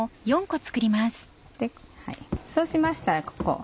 そうしましたらここ。